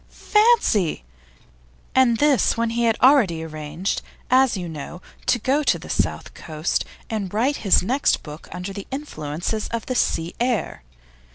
Fancy! And this when he had already arranged, as you know, to go to the South Coast and write his next book under the influences of the sea air.